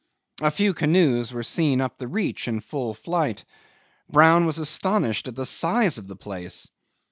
A few canoes were seen up the reach in full flight. Brown was astonished at the size of the place.